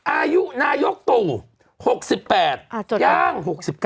อายุนายกตู่๖๘ย่าง๖๙